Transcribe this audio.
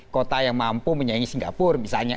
kota yang mampu menyaingi singapura misalnya